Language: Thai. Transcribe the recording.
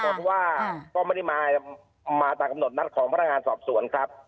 เพราะว่าก็ไม่ได้มาตามกำหนดนัดของพนักงานสอบสวนครับ